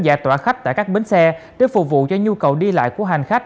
giải tỏa khách tại các bến xe để phục vụ cho nhu cầu đi lại của hành khách